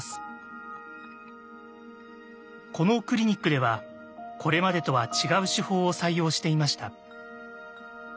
このクリニックではこれまでとは違う手法を採用していました。